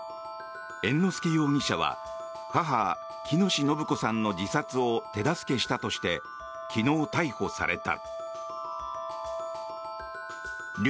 猿之助容疑者は母・喜熨斗延子さんの自殺を手助けしたとして昨日逮捕された。